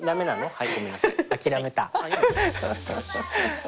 はい。